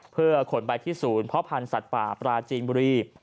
เพื่อขนไปที่ศูนย์พ่อพันธ์สัตว์ป่าปราจีนบุรี